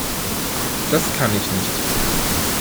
Das kann ich nicht.